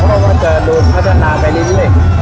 เพราะว่ามันจะโดนพัฒนาไปเรื่อย